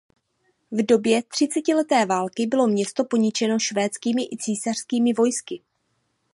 V době třicetileté války bylo město poničeno švédskými i císařskými vojsky.